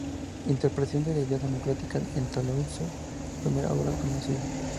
Interpretación de la idea democrática" en Toulouse, su primera obra conocida.